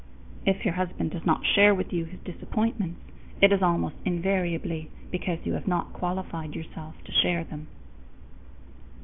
_ If your husband does not share with you his disappointments, it is almost invariably because you have not qualified yourself to share them.